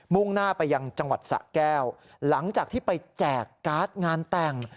่งหน้าไปยังจังหวัดสะแก้วหลังจากที่ไปแจกการ์ดงานแต่ง